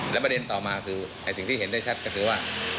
และประเด็นต่อมาคือสิ่งที่เห็นได้ชัดก็คือว่า